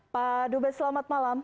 pak dubes selamat malam